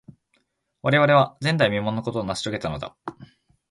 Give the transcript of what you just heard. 我々は、前代未聞のことを成し遂げたのだ。